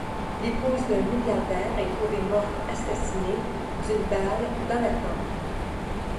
L'épouse d'un milliardaire est trouvée morte assassinée d'une balle dans la tempe.